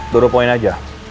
dua dua poin aja